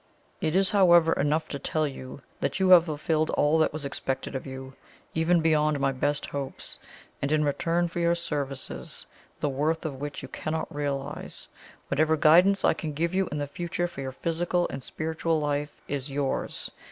It is, however, enough to tell you that you have fulfilled all that was expected of you, even beyond my best hopes; and in return for your services, the worth of which you cannot realize, whatever guidance I can give you in the future for your physical and spiritual life, is yours.